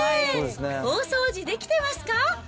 大掃除できてますか？